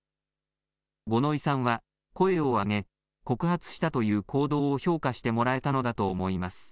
五ノ井さんは声を上げ、告発したという行動を評価してもらえたのだと思います。